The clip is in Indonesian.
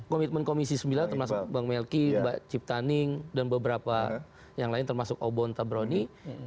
komitmen komisi sembilan termasuk bang melki mbak ciptaning dan beberapa yang lain termasuk obon tabroni